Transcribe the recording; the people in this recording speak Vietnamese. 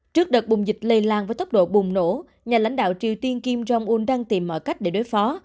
trước đợt bùng dịch lây lan với tốc độ bùng nổ nhà lãnh đạo triều tiên kim jong un đang tìm mọi cách để đối phó